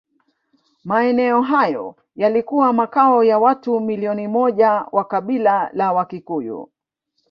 Maeneo hayo yalikuwa makao ya watu milioni moja wa kabila la Wakikuyu